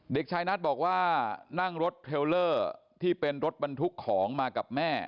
เด็กชายนัทบอกว่านั่งรถเทลเลอร์ที่เป็นรถบรรทุกของมากับแม่